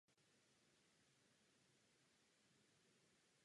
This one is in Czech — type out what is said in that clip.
S Michaelem mají dvě děti.